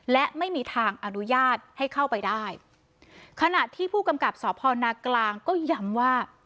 และไม่มีทางอนุญาตให้เข้าไปได้ขณะที่ผู้กำกับสพนากลางก็ย้ำว่า